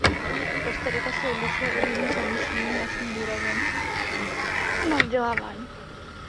Kostarika se odlišuje od jiných zemí svým jasným důrazem na vzdělávání.